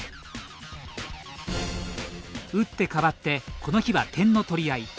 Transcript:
打って変わってこの日は点の取り合い。